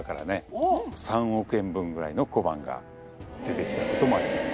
３億円分ぐらいの小判が出てきたこともあります。